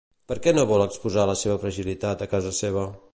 Per què no vol exposar la seva fragilitat a casa seva?